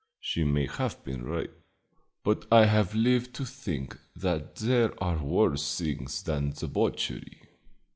She may have been right; but I have lived to think that there are worse things than debauchery."